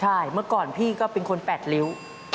ใช่เมื่อก่อนพี่ก็เป็นคน๘ริ้ว